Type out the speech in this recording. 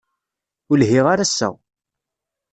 Ur lhiɣ ara ass-a.